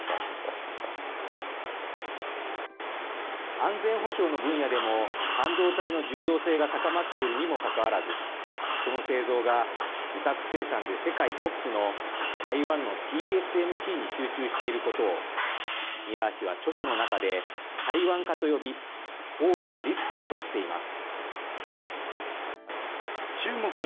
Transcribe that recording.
安全保障の分野でも、半導体の重要性が高まっているにもかかわらず、その製造が、受託生産で世界トップの台湾のＴＳＭＣに集中していることを、ミラー氏は著書の中で台湾化と呼び、大きなリスクだとしています。